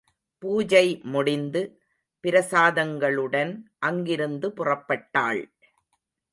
பூஜை முடிந்து, பிரசாதங்களுடன் அங்கிருந்து புறப்பட்டாள்.